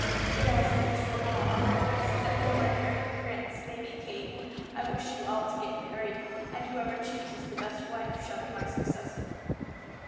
But as it is the law among us, that no unmarried prince may be King, I wish you all to get married, and whoever chooses the best wife shall be my successor."